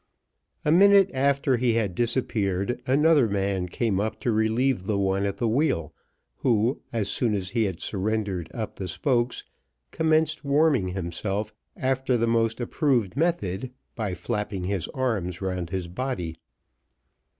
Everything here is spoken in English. A minute after he had disappeared, another man came up to relieve the one at the wheel, who, as soon as he had surrendered up the spokes, commenced warming himself after the most approved method, by flapping his arms round his body.